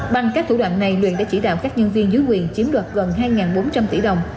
bằng các thủ đoạn này luyện đã chỉ đạo các nhân viên dưới quyền chiếm đoạt gần hai bốn trăm linh tỷ đồng